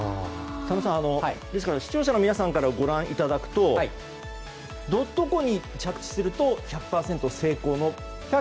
佐野さん、視聴者の皆さんからご覧いただくとどこに着地すると１００％成功に。